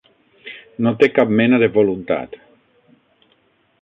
No té cap mena de voluntat.